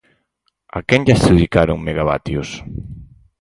¿A quen lle adxudicaron megavatios?